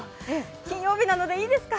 金曜日なのでいいですか？